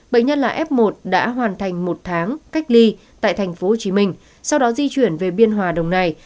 bệnh nhân là f một đã hoàn thành một tháng cách ly tại tp hcm sau đó di chuyển về biên hòa đồng nai